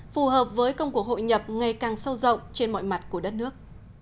phù hợp với công cuộc hội nhập ngày càng sâu rộng trên mọi mặt của đất nước